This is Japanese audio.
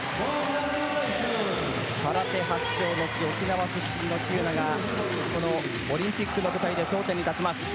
空手発祥の地沖縄出身の喜友名がこのオリンピックの舞台で頂点に立ちます。